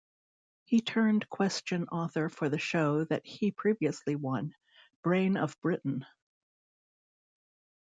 He turned question author for the show that he previously won, "Brain of Britain".